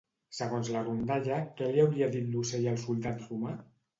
Segons la rondalla, què li hauria dit l'ocell al soldat romà?